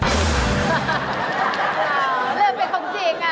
อ้าวเรื่องเป็นของจริงอ่ะ